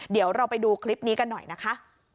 เดี๋ยวเราไปดูคลิปนี้กันหน่อยนะคะ